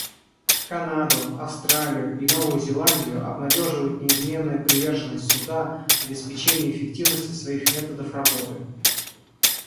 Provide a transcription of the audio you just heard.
Канаду, Австралию и Новую Зеландию обнадеживает неизменная приверженность Суда обеспечению эффективности своих методов работы.